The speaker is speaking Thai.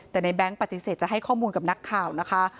แต่ในแง๊งปฏิเสธจะให้ข้อมูลกับนักข่าวนะคะ